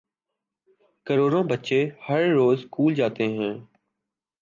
کروڑوں بچے ہر روزسکول جا تے ہیں۔